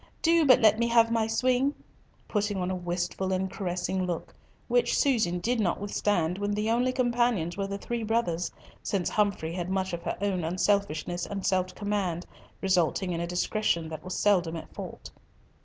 Do but let me have my swing!" putting on a wistful and caressing look, which Susan did not withstand when the only companions were the three brothers, since Humfrey had much of her own unselfishness and self command, resulting in a discretion that was seldom at fault.